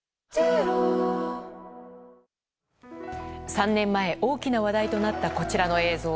３年前、大きな話題となったこちらの映像。